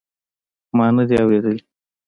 ما ندي اورېدلي.